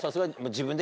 自分で。